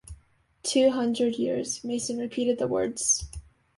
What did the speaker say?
“Two hundred years.” Mason repeated the words.